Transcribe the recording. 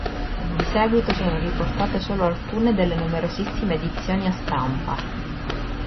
Di seguito sono riportate solo alcune delle numerosissime edizioni a stampa.